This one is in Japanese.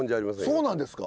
そうなんですか。